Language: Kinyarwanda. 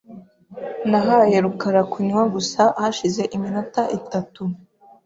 Nahaye rukara kunywa gusa hashize iminota itatu .